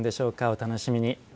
お楽しみに。